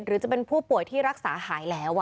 หรือจะเป็นผู้ป่วยที่รักษาหายแล้ว